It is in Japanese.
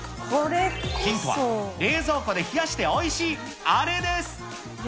ヒントは、冷蔵庫で冷やしておいしいあれです。